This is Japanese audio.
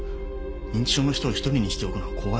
認知症の人を一人にしておくのは怖いでしょ。